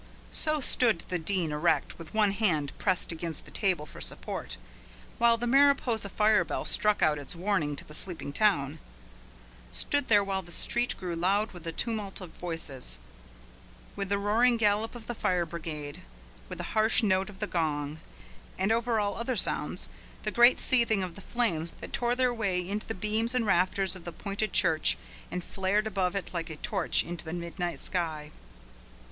So stood the Dean erect, with one hand pressed against the table for support, while the Mariposa fire bell struck out its warning to the sleeping town, stood there while the street grew loud with the tumult of voices, with the roaring gallop of the fire brigade, with the harsh note of the gong and over all other sounds, the great seething of the flames that tore their way into the beams and rafters of the pointed church and flared above it like a torch into the midnight sky.